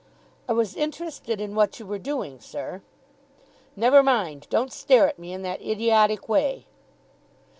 "I was interested in what you were doing, sir." "Never mind. Don't stare at me in that idiotic way."